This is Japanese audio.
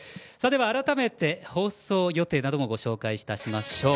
改めて放送予定などもご紹介します。